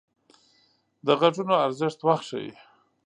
د غږونو ارزښت وخت ښيي